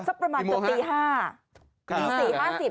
สักประมาณกว่าตี๕